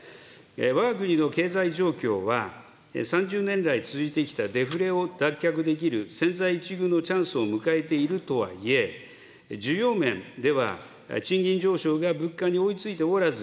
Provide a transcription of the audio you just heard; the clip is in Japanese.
わが国の経済状況は、３０年来続いてきたデフレを脱却できる千載一遇のチャンスを迎えているとはいえ、需要面では賃金上昇が物価に追いついておらず、